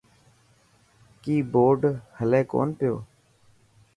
ڪئي بورڊ هلي ڪونه پيو.